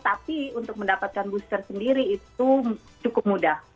tapi untuk mendapatkan booster sendiri itu cukup mudah